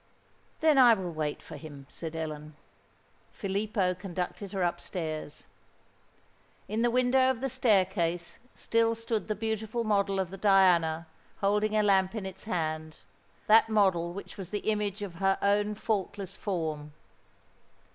"Then I will wait for him," said Ellen. Filippo conducted her up stairs. In the window of the staircase still stood the beautiful model of the Diana, holding a lamp in its hand,—that model which was the image of her own faultless form.